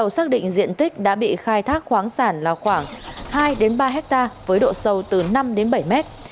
xác định diện tích đã bị khai thác khoáng sản là khoảng hai ba hectare với độ sâu từ năm đến bảy mét